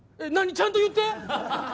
ちゃんと言って。